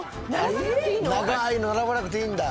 長ーいの並ばなくていいんだ。